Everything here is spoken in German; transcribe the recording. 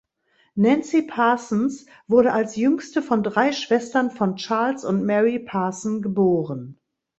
Nancy Parsons wurde als jüngste von drei Schwestern von Charles und Mary Parson geboren.